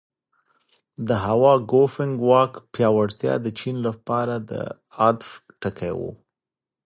د هوا ګوفینګ واک پیاوړتیا د چین لپاره د عطف ټکی و.